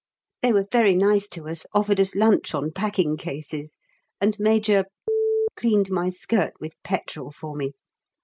They were very nice to us, offered us lunch on packing cases, and Major cleaned my skirt with petrol for me!